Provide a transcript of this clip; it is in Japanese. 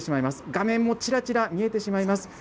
画面もちらちら見えてしまいます。